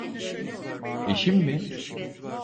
Eşim mi?